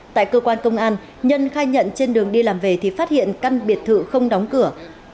tại cơ quan công an nhân khai nhận trên đường đi làm về thì phát hiện căn biệt thự không đóng cửa